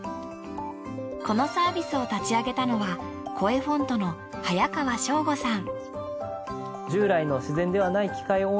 このサービスを立ち上げたのはコエフォントの早川尚吾さん。